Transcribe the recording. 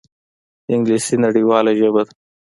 انګلیسي نړیواله ژبه ده